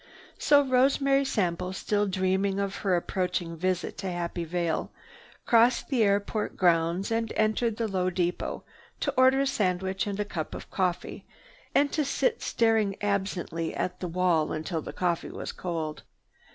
So Rosemary Sample, still dreaming of her approaching visit to Happy Vale, crossed the airport grounds, and entered the low depot to order a sandwich and cup of coffee, and to sit staring absently at the wall until the coffee was cold.